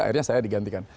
akhirnya saya diganti kan